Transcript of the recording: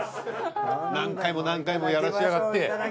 何回も何回もやらせやがって。